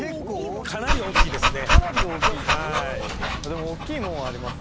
かなり大きいですね。